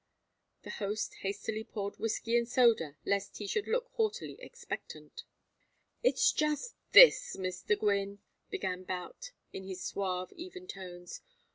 The host hastily poured whiskey and soda lest he should look haughtily expectant. "It's just this, Mr. Gwynne," began Boutts, in his suave even tones.